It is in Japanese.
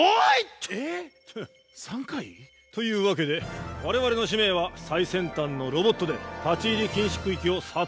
えっ３回？というわけで我々の使命は最先端のロボットで立ち入り禁止区域を撮影することだ。